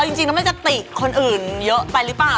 เออเอาจริงนี่มันจะติดคนอื่นเยอะไปรึเปล่า